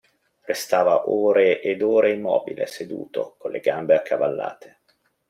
Restava ore ed ore immobile, seduto, con le gambe accavallate.